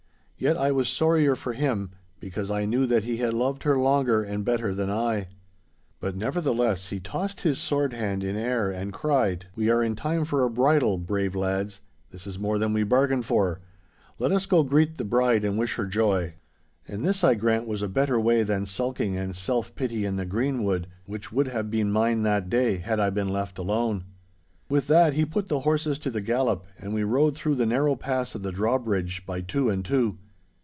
Yet I was sorrier for him, because I knew that he had loved her longer and better than I. But nevertheless he tossed his sword hand in air, and cried, 'We are in time for a bridal, brave lads; this is more than we bargained for. Let us go greet the bride and wish her joy.' And this I grant was a better way than sulking and self pity in the greenwood, which would have been mine that day, had I been left alone. With that he put the horses to the gallop, and we rode through the narrow pass of the drawbridge by two and two.